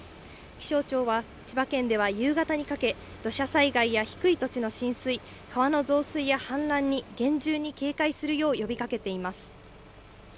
気象庁は、千葉県では夕方にかけ、土砂災害や低い土地の浸水、川の増水や氾濫に厳重に警戒するよう呼びかけています。